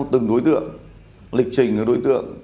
từng đối tượng lịch trình đối tượng